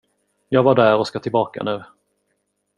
Jag var där och ska tillbaka nu.